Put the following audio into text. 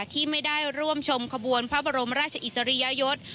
ที่ไม่ได้ร่วมชมขบวนพระบรมราชอิสริยยศ